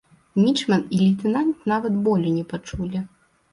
Мічман і лейтэнант нават болю не пачулі.